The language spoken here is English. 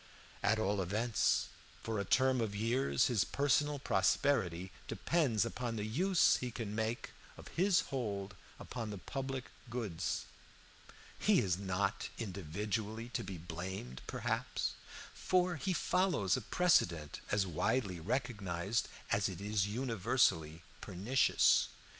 At all events, for a term of years, his personal prosperity depends upon the use he can make of his hold upon the public goods. He is not individually to be blamed, perhaps, for he follows a precedent as widely recognized as it is universally pernicious.